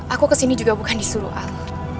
aku kesini juga bukan disuruh al